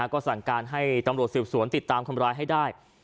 ก็สั่งการให้ตำรวจสืบสวนติดตามคนร้ายให้ได้